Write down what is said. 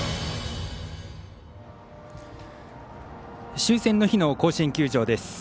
終戦の日の甲子園球場です。